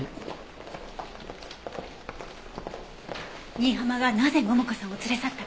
新浜がなぜ桃香さんを連れ去ったか。